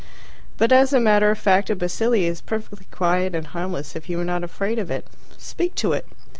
But as a matter of fact, a bacilli is perfectly quiet and harmless if you are not afraid of it. Speak to it.